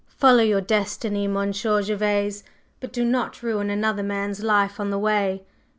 Follow your destiny, Monsieur Gervase, but do not ruin another man's life on the way.